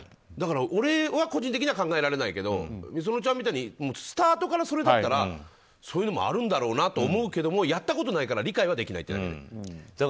だから俺は個人的には考えられないけどｍｉｓｏｎｏちゃんみたいにスタートからそれだったらそういうのもあるんだろうなと思うんだけどやったことないから理解はできないっていうだけ。